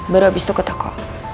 baru habis itu ke toko